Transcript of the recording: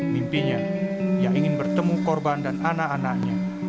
mimpinya ia ingin bertemu korban dan anak anaknya